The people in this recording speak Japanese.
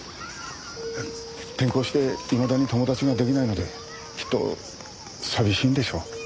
転校していまだに友達ができないのできっと寂しいんでしょう。